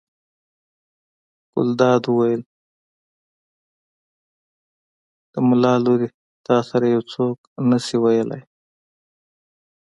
ګلداد وویل: د ملا لورې تا سره یې څوک نه شي ویلی.